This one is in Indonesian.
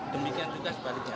demikian juga sebaliknya